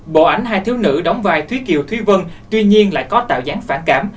bộ ảnh hai thiếu nữ đóng vai thúy kiều thúy vân tuy nhiên lại có tạo dáng phản cảm